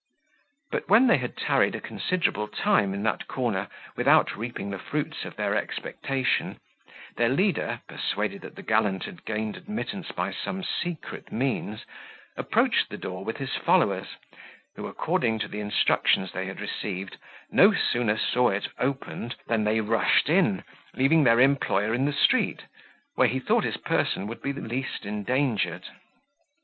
But when they had tarried a considerable time in that corner, without reaping the fruits of their expectation, their leader, persuaded that the gallant had gained admittance by some secret means, approached the door with his followers, who, according to the instructions they had received, no sooner saw it opened, than they rushed in, leaving their employer in the street, where he thought his person would be least endangered.